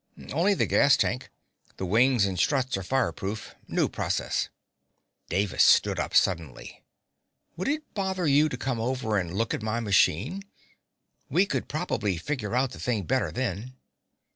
"Only the gas tank. The wings and struts are fireproof. New process." Davis stood up suddenly. "Would it bother you to come over and look at my machine? We could probably figure out the thing better then."